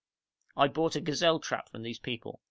I bought a gazelle trap from these people.